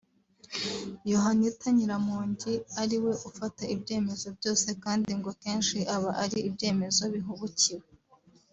Yohanita Nyiramongi ari we ufata ibyemezo byose kandi ngo kenshi aba ari ibyemezo bihubukiwe